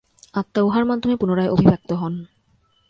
আত্মা উহার মাধ্যমে পুনরায় অভিব্যক্ত হন।